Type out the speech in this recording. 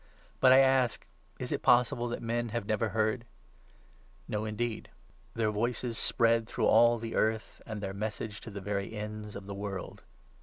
But I ask ' Is it 18 possible that men have never heard ?' No, indeed, for —' Their voices spread through all the earth, And their Message to the very ends of the world.'